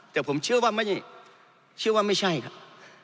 แต่ผมเชื่อว่าไม่ใช่ครับ